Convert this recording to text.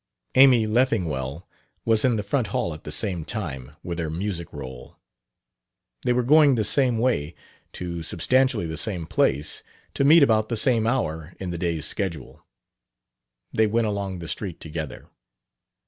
Amy Leffingwell was in the front hall at the same time, with her music roll. They were going the same way, to substantially the same place, to meet about the same hour in the day's schedule. They went along the street together.